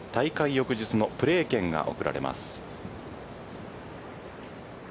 翌日のプレー権が贈られます。